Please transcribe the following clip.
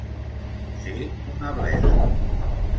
Ser una bleda.